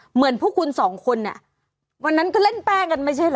เหมือนพวกคุณ๒คนวันนั้นก็เล่นแป้งกันมั้ยใช่เหรอ